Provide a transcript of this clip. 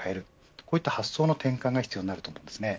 こういった発想の転換が必要になると思います。